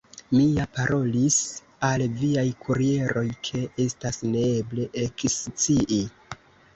Mi ja parolis al viaj kurieroj, ke estas neeble ekscii.